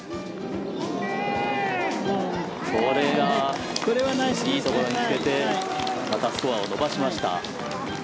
これがいいところにつけてまたスコアを伸ばしました。